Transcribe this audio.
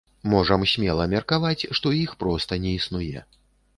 Можам смела меркаваць, што іх проста не існуе.